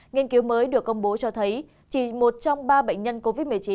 nghiên cứu mới được công bố cho thấy chỉ một trong ba bệnh nhân covid một mươi chín